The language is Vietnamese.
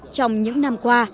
trong những năm qua